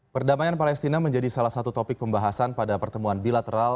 perdamaian palestina menjadi salah satu topik pembahasan pada pertemuan bilateral